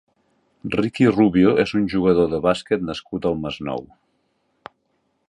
Ricky Rubio és un jugador de bàsquet nascut al Masnou.